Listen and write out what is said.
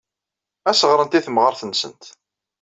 Ad as-ɣrent i temɣart-nsent.